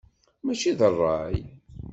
Mačči d rray.